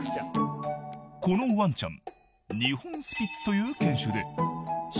［このわんちゃん］